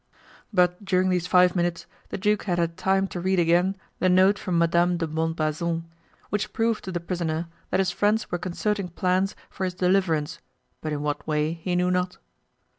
But during these five minutes the duke had had time to read again the note from Madame de Montbazon, which proved to the prisoner that his friends were concerting plans for his deliverance, but in what way he knew not.